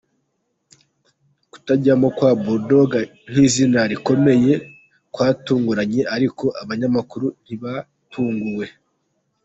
Kutajyamo kwa Bull Dogg nk’izina rikomeye kwatunguranye ariko abanyamakuru ntibatunguwe….